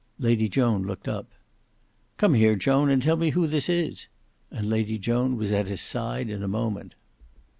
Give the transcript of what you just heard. Lady Joan looked up. "Come here, Joan, and tell me who this is," and Lady Joan was at his side in a moment.